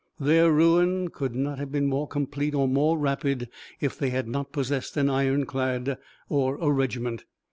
Their ruin could not have been more complete or more rapid if they had not possessed an ironclad or a regiment.